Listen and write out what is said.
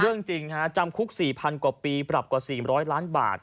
จริงจำคุก๔๐๐กว่าปีปรับกว่า๔๐๐ล้านบาท